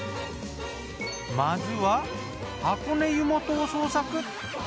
まずは箱根湯本を捜索。